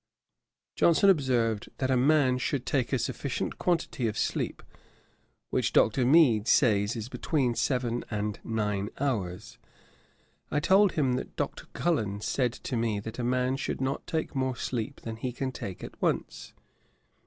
Johnson observed, that 'a man should take a sufficient quantity of sleep, which Dr. Mead says is between seven and nine hours.' I told him, that Dr. Cullen said to me, that a man should not take more sleep than he can take at once.